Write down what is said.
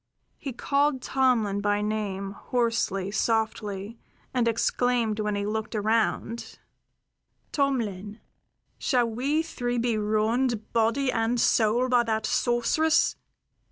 He called Tomlin by name hoarsely, softly, and exclaimed when he looked around: "Tomlin, shall we three be ruined body and soul by that sorceress?